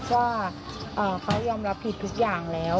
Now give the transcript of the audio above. ว่าเขายอมรับผิดทุกอย่างแล้ว